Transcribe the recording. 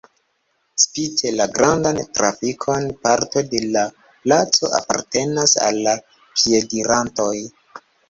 Spite la grandan trafikon parto de la placo apartenas al la piedirantoj.